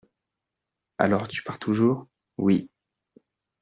Alors, tu pars toujours ? Oui.